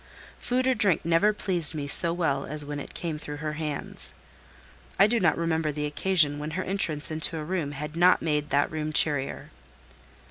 Food or drink never pleased me so well as when it came through her hands. I do not remember the occasion when her entrance into a room had not made that room cheerier.